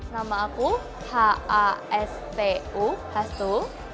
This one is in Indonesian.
nama aku h a s t u hastu